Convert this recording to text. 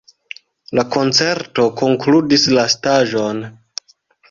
Koncerto konkludis la staĝon.